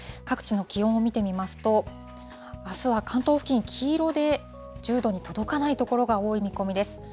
各地の気温を見てみますと、あすは関東付近、黄色で、１０度に届かない所が多い見込みです。